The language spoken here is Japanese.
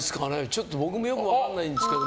ちょっと僕もよく分からないんですけど。